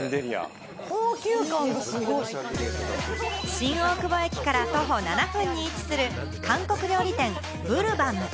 新大久保駅から徒歩７分に位置する、韓国料理店・ブルバム。